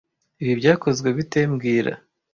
Ibi byakozwe bite mbwira